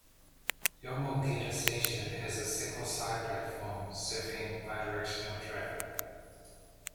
Yomogita Station has a single side platform serving bidirectional traffic.